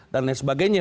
dan lain sebagainya